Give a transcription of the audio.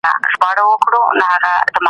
ايا د سوغاتونو پر ځای ولور ادا کول ښه دي؟